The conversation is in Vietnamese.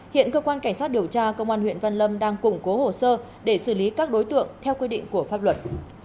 hiện cơ quan cảnh sát điều tra công an huyện văn lâm đang củng cố hồ sơ để xử lý các đối tượng theo quy định của pháp luật